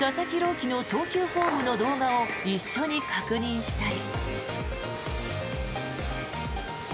希の投球フォームの動画を一緒に確認したり。